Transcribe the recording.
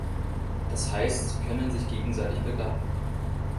Das heißt, sie können sich gegenseitig begatten.